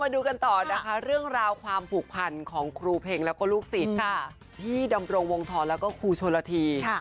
ดูกันต่อนะคะเรื่องราวความผูกพันของครูเพลงแล้วก็ลูกศิษย์พี่ดำรงวงธรแล้วก็ครูชนละที